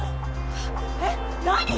えっ何！？